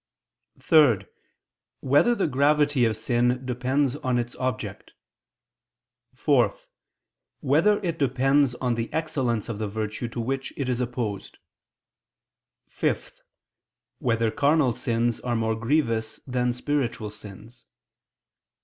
(3) Whether the gravity of sin depends on its object? (4) Whether it depends on the excellence of the virtue to which it is opposed? (5) Whether carnal sins are more grievous than spiritual sins?